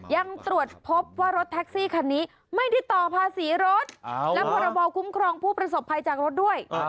ยังตรวจพบว่ารถแท็กซี่คันนี้ไม่ได้ต่อภาษีรถและพรบคุ้มครองผู้ประสบภัยจากรถด้วย